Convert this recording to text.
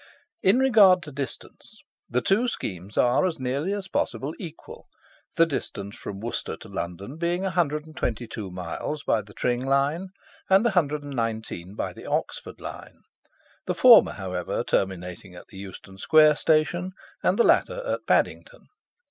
In regard to distance, the two schemes are as nearly as possible equal, the distance from Worcester to London being 122 miles by the Tring line, and 119 by the Oxford line; the former, however, terminating at the Euston Square Station, and the latter at Paddington.